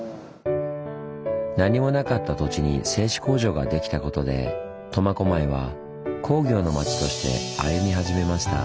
何もなかった土地に製紙工場ができたことで苫小牧は「工業の町」として歩み始めました。